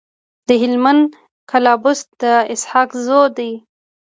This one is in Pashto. د هلمند کلابست د اسحق زو دی.